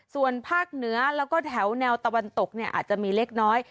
ส่วนภาคเหนือแล้วก็แถวแนวตะวันตกเนี่ยอาจจะมีเล็กน้อย